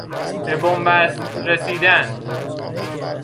به بنبست رسیدن